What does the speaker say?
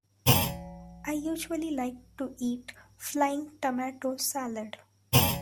I usually like to eat flying tomato salad.